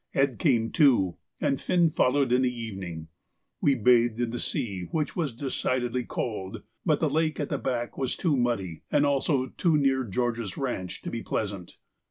Ed. came too, and Finn followed in the evening. We bathed in the sea, which was decidedly cold; but the lake at the back was too muddy, and also too near George's ranche to be pleasant.